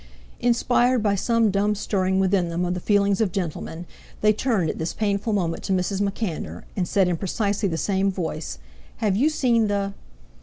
Inspired by some dumb stirring within them of the feelings of gentlemen, they turned at this painful moment to Mrs. MacAnder, and said in precisely the same voice: "Have you seen the...?"